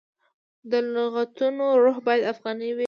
د لغتونو روح باید افغاني وي.